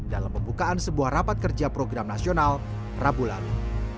dalam pembukaan sebuah rapat kerja program nasional rabu lalu